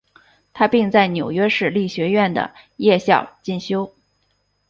他并在纽约市立学院的夜校进修。